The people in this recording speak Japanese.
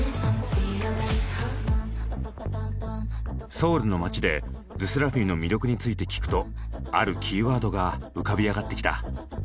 ソウルの街でＬＥＳＳＥＲＡＦＩＭの魅力について聞くとあるキーワードが浮かび上がってきた。